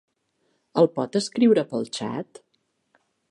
El pot escriure pel xat?